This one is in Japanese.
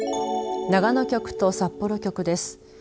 長野局と札幌局です。